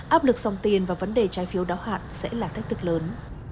áp lực dòng tiền và vấn đề trái phiếu đáo hạn sẽ là thách thức lớn